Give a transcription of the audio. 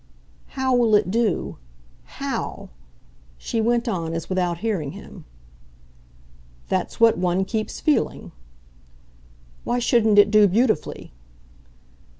"How will it do, HOW?" she went on as without hearing him. "That's what one keeps feeling." "Why shouldn't it do beautifully?"